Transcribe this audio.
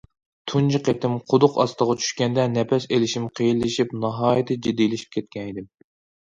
- تۇنجى قېتىم قۇدۇق ئاستىغا چۈشكەندە نەپەس ئېلىشىم قىيىنلىشىپ، ناھايىتى جىددىيلىشىپ كەتكەن ئىدىم.